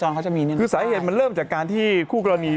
มันไม่ใช่๒น่ะ๓๔หน้าอีกแล้วนะ